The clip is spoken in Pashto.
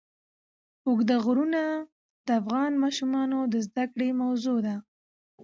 اوږده غرونه د افغان ماشومانو د زده کړې موضوع ده.